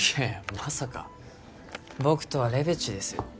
まさか僕とはレベチですよ